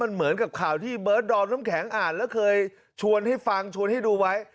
เหมือนกับข่าวที่เบิร์ดดอมน้ำแข็งอ่านแล้วเคยชวนให้ฟังชวนให้ดูไว้